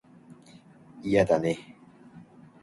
いやだね